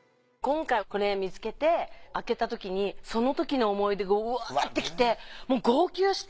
今回これ見つけて開けたときにそのときの思い出がうわってきてもう。